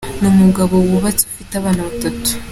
ni umugabo wubatse ufite abana batatu.